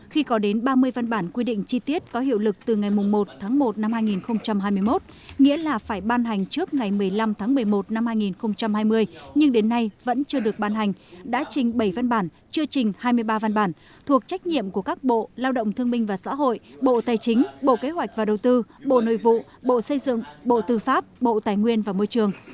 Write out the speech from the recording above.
khi có đến ba mươi văn bản quy định chi tiết có hiệu lực từ ngày một tháng một năm hai nghìn hai mươi một nghĩa là phải ban hành trước ngày một mươi năm tháng một mươi một năm hai nghìn hai mươi nhưng đến nay vẫn chưa được ban hành đã trình bảy văn bản chưa trình hai mươi ba văn bản thuộc trách nhiệm của các bộ lao động thương minh và xã hội bộ tài chính bộ kế hoạch và đầu tư bộ nội vụ bộ xây dựng bộ tư pháp bộ tài nguyên và môi trường